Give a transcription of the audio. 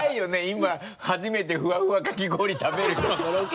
今初めてふわふわかき氷食べる人のロケ。